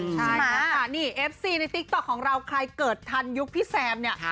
ใช่ค่ะนี่เอฟซีในติ๊กต๊อกของเราใครเกิดทันยุคพี่แซมเนี่ย